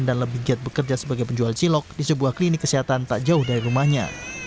dan lebih giat bekerja sebagai penjual cilok di sebuah klinik kesehatan tak jauh dari rumahnya